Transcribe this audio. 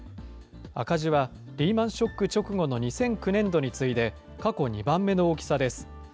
赤字はリーマンショック直後の２００９年度に次いで過去２番目の大きさです。